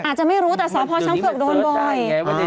อาจจะไม่รู้แต่สพช้างเผือกโดนบ่อย